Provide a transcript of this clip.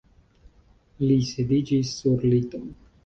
Li sidiĝis sur liton.